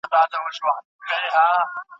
هغه لاره چې شګلنه ده، سخته ده.